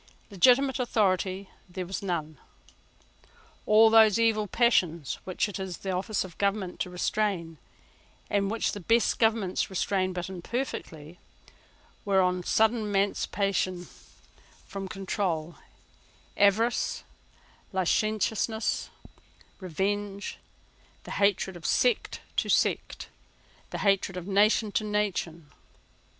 Legitimate authority there was none. All those evil passions which it is the office of government to restrain, and which the best governments restrain but imperfectly, were on a sudden emancipated from control; avarice, licentiousness, revenge, the hatred of sect to sect, the hatred of nation to nation.